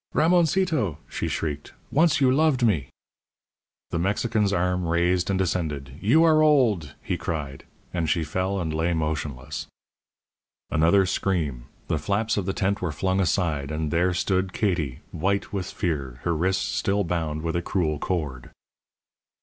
"Ramoncito!" she shrieked; "once you loved me." The Mexican's arm raised and descended. "You are old," he cried; and she fell and lay motionless. Another scream; the flaps of the tent were flung aside, and there stood Katie, white with fear, her wrists still bound with a cruel cord.